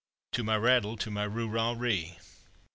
To my rattle, to my roo rah ree!